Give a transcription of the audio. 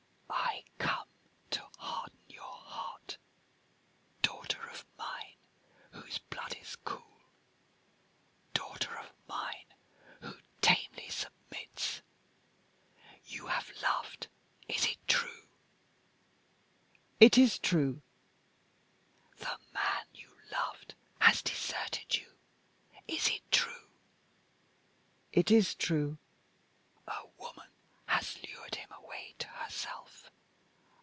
"I come to harden your heart. Daughter of mine, whose blood is cool; daughter of mine, who tamely submits you have loved. Is it true?" "It is true." "The man you loved has deserted you. Is it true?" "It is true." "A woman has lured him away to herself.